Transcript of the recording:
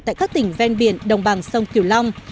tại các tỉnh ven biển đồng bằng sông kiều long